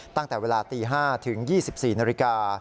ตั้งแต่เวลาตี๕ถึง๒๔นาฬิกา